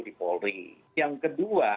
di polri yang kedua